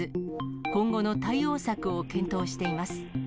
今後の対応策を検討しています。